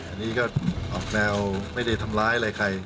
อันนี้ก็ออกแนวไม่ได้ทำร้ายอะไรใคร